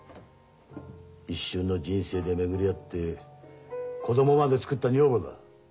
一瞬の人生で巡り会って子供までつくった女房だ。